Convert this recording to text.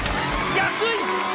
安い！